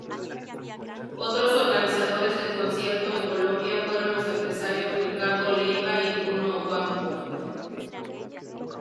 Otros organizadores del concierto en Colombia fueron los empresarios Ricardo Leyva y Bruno Ocampo.